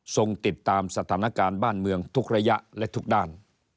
ติดตามสถานการณ์บ้านเมืองทุกระยะและทุกด้าน